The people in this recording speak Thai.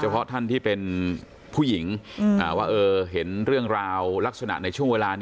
การทำให้คนรักรักเราหลงเรา